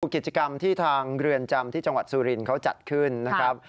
กิจกรรมที่ทางเรือนจำที่จังหวัดสุรินทร์เขาจัดขึ้นนะครับ